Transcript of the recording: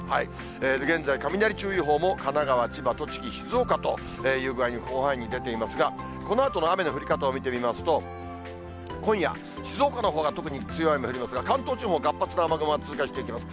現在、雷注意報も神奈川、千葉、栃木、静岡と、広範囲に出ていますが、このあとの雨の降り方を見てみますと、今夜、静岡のほうが特に強い雨が降りますが、関東地方、活発な雨雲が通過していきます。